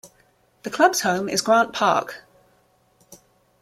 The club's home is Grant Park.